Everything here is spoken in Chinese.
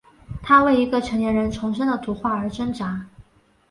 他为一个成年人重生的图画而挣扎。